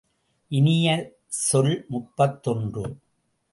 இனிய சொல் முப்பத்தொன்று.